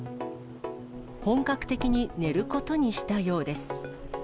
本格的に寝ることにしたようです。